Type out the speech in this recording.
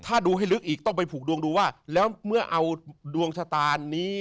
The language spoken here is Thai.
ถ้าดูให้ลึกอีกต้องไปผูกดวงดูว่าแล้วเมื่อเอาดวงชะตานี้